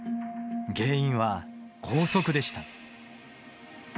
原因は校則でした。